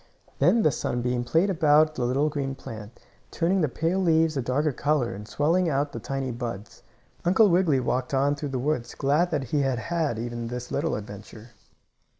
Then the sunbeam played about the little green plant, turning the pale leaves a darker color and swelling out the tiny buds. Uncle Wiggily walked on through the woods, glad that he had had even this little adventure.